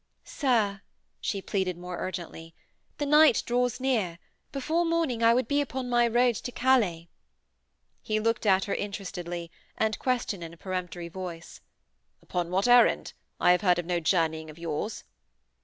'Sir,' she pleaded more urgently, 'the night draws near. Before morning I would be upon my road to Calais.' He looked at her interestedly, and questioned in a peremptory voice: 'Upon what errand? I have heard of no journeying of yours.'